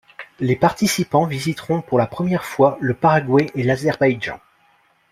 Les participants visiteront pour la première fois le Paraguay et l'Azerbaïdjan.